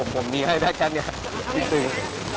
ผมมีให้แค่เนี่ยจริง